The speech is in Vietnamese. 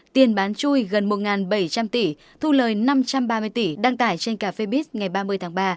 tiền bán chui gần một bảy trăm linh tỷ thu lời năm trăm ba mươi tỷ đăng tải trên cà phê bít ngày ba mươi tháng ba